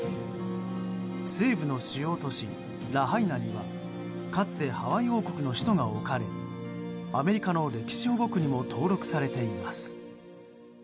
西部の主要都市ラハイナにはかつてハワイ王国の首都が置かれアメリカの歴史保護区にも登録されています。